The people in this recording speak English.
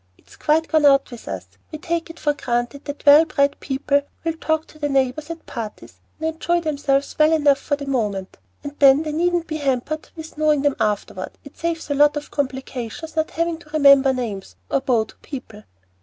"It's quite gone out with us. We take it for granted that well bred people will talk to their neighbors at parties, and enjoy themselves well enough for the moment, and then they needn't be hampered with knowing them afterward. It saves a lot of complications not having to remember names, or bow to people."